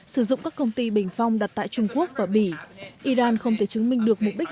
sử dụng các công ty bình phong đặt tại trung quốc và bỉ iran không thể chứng minh được mục đích